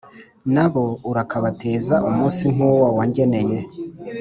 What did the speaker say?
Na bo urakabateza umunsi nk’uwo wangeneye,